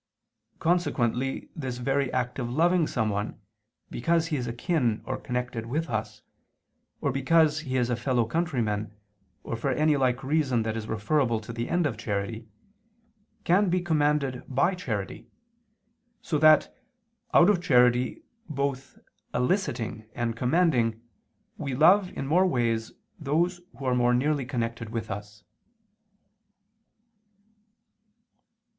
Consequently this very act of loving someone because he is akin or connected with us, or because he is a fellow countryman or for any like reason that is referable to the end of charity, can be commanded by charity, so that, out of charity both eliciting and commanding, we love in more ways those who are more nearly connected with us.